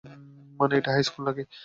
মানে, এটা কি হাইস্কুল নাকি?